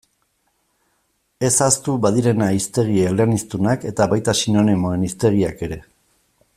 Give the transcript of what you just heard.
Ez ahaztu badirena hiztegi eleaniztunak eta baita sinonimoen hiztegiak ere.